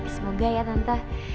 semoga ya tante